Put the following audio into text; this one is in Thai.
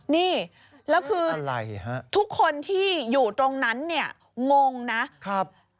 นี่แล้วคือทุกคนที่อยู่ตรงนั้นงงนะ